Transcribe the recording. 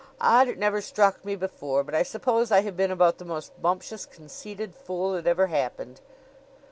Odd it never struck me before; but I suppose I have been about the most bumptious, conceited fool that ever happened.